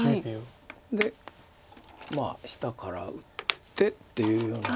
で下から打ってっていうような。